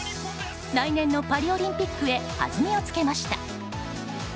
来年のパリオリンピックへ弾みをつけました。